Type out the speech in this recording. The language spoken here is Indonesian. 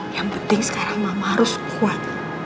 yang penting sekarang mama harus kuat